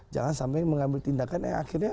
jangan sampai mengambil tindakan yang akhirnya